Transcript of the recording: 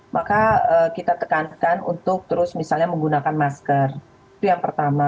maka kita tekankan untuk terus misalnya menggunakan masker itu yang pertama